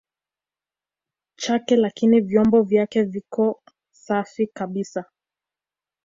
chake lakini vyombo vyake viko safi kabisa